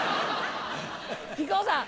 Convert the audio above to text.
木久扇さん。